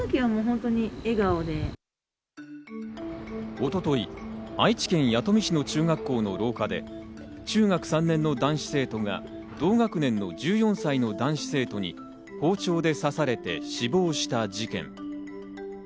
一昨日、愛知県弥富市の中学校の廊下で中学３年の男子生徒が同学年の１４歳の男子生徒に包丁で刺されて死亡した事件。